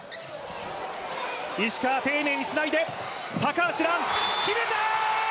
石川、丁寧につないで高橋藍決めた！